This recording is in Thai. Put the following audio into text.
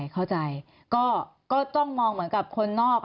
เข้าใจก็ต้องมองเหมือนกับคนนอก